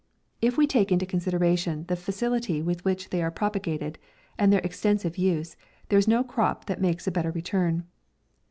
If we take into considera tion the facility with which they are propaga ted, and their extensive use, there is no crop that makes a better return.